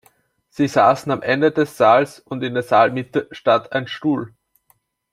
Sie saßen am Ende des Saals, und in der Saalmitte stand ein Stuhl.